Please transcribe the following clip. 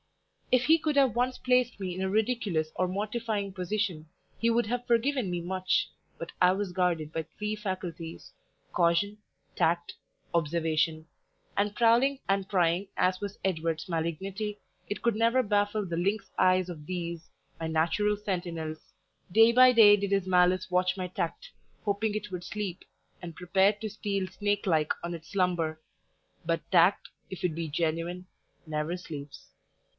If he could have once placed me in a ridiculous or mortifying position, he would have forgiven me much, but I was guarded by three faculties Caution, Tact, Observation; and prowling and prying as was Edward's malignity, it could never baffle the lynx eyes of these, my natural sentinels. Day by day did his malice watch my tact, hoping it would sleep, and prepared to steal snake like on its slumber; but tact, if it be genuine, never sleeps.